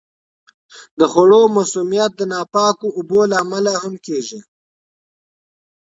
د خوړو مسمومیت د ناپاکو اوبو له امله هم کیږي.